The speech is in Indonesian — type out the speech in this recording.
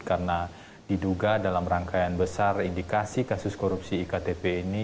karena diduga dalam rangkaian besar indikasi kasus korupsi iktp ini